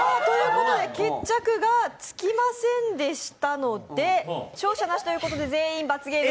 決着がつきませんでしたので勝者なしということで全員罰ゲーム。